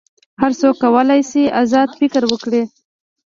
هر څوک کولی شي آزاد فکر وکړي.